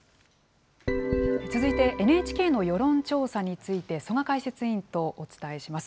続いてＮＨＫの世論調査について、曽我解説委員とお伝えします。